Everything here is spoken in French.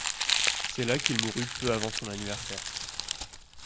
C’est là qu’il mourut peu avant son anniversaire.